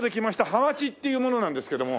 はまちっていう者なんですけども。